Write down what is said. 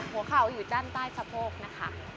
หัวเข่าอยู่ด้านใต้สะโพกนะคะ